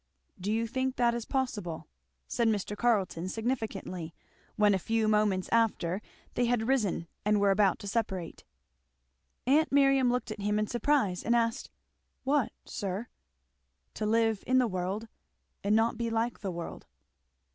"Do you think that is possible?" said Mr. Carleton significantly, when a few moments after they had risen and were about to separate. Aunt Miriam looked at him in surprise and asked, "What, sir?" "To live in the world and not be like the world?"